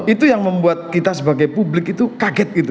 itu yang membuat kita sebagai publik itu kaget gitu